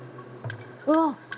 うわっ！